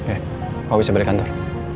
eh kau bisa balik kantor